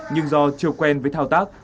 nhưng do chưa quen với thao tác